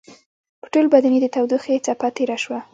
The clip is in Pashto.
په ټول بدن يې د تودوخې څپه تېره شوه.